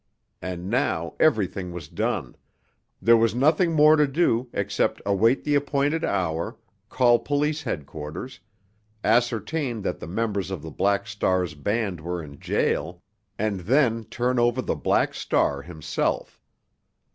And now everything was done—there was nothing more to do except await the appointed hour, call police headquarters, ascertain that the members of the Black Star's band were in jail, and then turn over the Black Star himself.